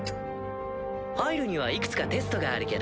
入るにはいくつかテストがあるけど。